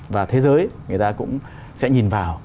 và thế giới người ta cũng sẽ nhìn vào